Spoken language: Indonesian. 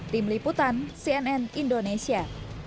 tim liputan cnn indonesia